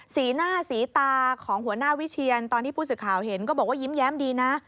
สีหน้าสีตาของหัวหน้าวิเชียนตอนที่ผู้สื่อข่าวเห็นก็บอกว่ายิ้มแย้มดีนะ